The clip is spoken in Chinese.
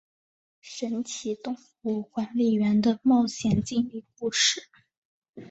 神奇动物管理员的冒险经历故事。